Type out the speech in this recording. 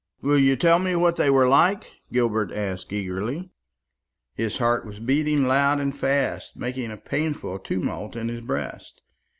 "Will you tell me what they were like?" Gilbert asked eagerly. His heart was beating loud and fast, making a painful tumult in his breast.